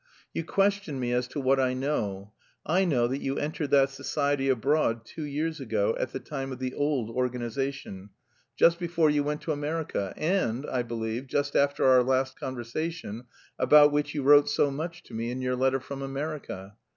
"You question me as to what I know. I know that you entered that society abroad, two years ago, at the time of the old organisation, just before you went to America, and I believe, just after our last conversation, about which you wrote so much to me in your letter from America.